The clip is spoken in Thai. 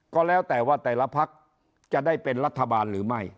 ก็แล้วแต่ว่าแต่ละพักจะได้เป็นรัฐบาลหรือไม่